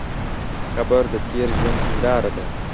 قبر د تېر ژوند هنداره ده.